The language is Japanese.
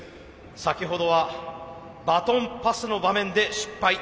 先ほどはバトンパスの場面で失敗。